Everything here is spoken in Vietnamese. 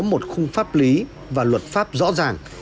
một khung pháp lý và luật pháp rõ ràng